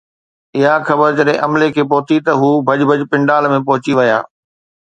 اها خبر جڏهن عملي کي پهتي ته هو ڀڄ ڀڄ پنڊال ۾ پهچي ويا